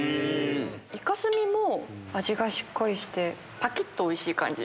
イカ墨も味がしっかりしてぱきっとおいしい感じ。